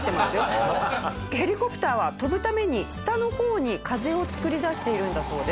ヘリコプターは飛ぶために下の方に風を作り出しているんだそうです。